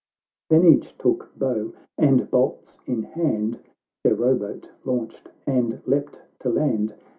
— Then each took bow and bolts in hand, Their row boat launched and leapt to land.